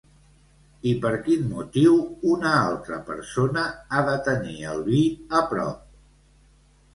I per quin motiu una altra persona ha de tenir el vi a prop?